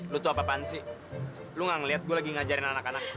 lo tuh apaan sih lo gak ngeliat gue lagi ngajarin anak anak